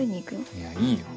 いやいいよ。